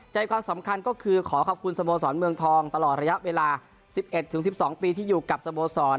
ใจความสำคัญก็คือขอขอบคุณสโมสรเมืองทองตลอดระยะเวลา๑๑๑๑๒ปีที่อยู่กับสโมสร